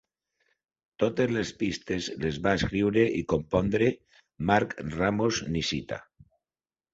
Totes les pistes les va escriure i compondre Mark Ramos-Nishita.